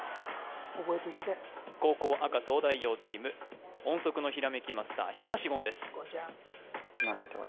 覚えておきたい後攻赤東大王チーム音速のひらめきマスター東言です言